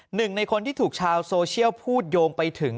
หนึ่งในคนที่ถูกชาวโซเชียลพูดโยงไปถึง